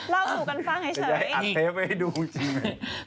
เล่าถูกกันฟังให้เฉยจะให้อัดเท็ปให้ดูจริง